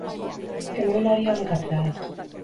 Kamioilaria onik atera da.